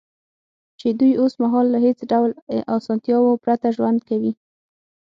چې دوی اوس مهال له هېڅ ډول اسانتیاوو پرته ژوند کوي